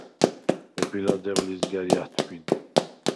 ვები ლადეღ ლიზგა̈რი ა̈თვბინ;